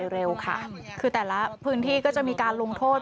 ด้วยนะคะจะได้ช่วยกันลดการแพร่ระบาดเร็วค่ะคือแต่ละพื้นที่ก็จะมีการลงโทษ